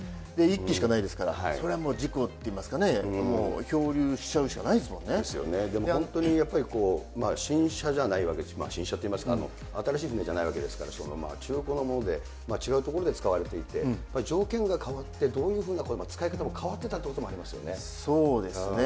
１機しかないですから、それはもう事故といいますかね、漂流しちですよね、新車じゃないわけですから、新車といいますか、新しい船じゃないわけですから、中古のもので、違う所で使われていて、条件が変わって、どういうふうな、使い方も変わってたということにそうですね。